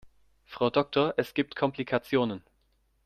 Frau Doktor, es gibt Komplikationen.